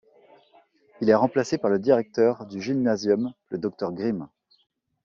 Il est remplacé par le directeur du Gymnasium, le Dr Grimme.